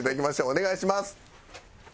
お願いします。